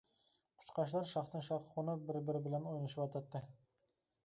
قۇشقاچلار شاختىن-شاخقا قونۇپ بىر-بىرى بىلەن ئوينىشىۋاتاتتى.